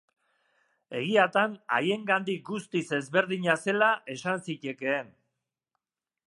Egiatan haiengandik guztiz ezberdina zela esan zitekeen.